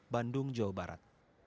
penduduk jawa barat